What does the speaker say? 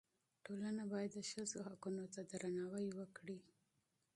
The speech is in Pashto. ټولنه باید د ښځو حقونو ته درناوی وکړي.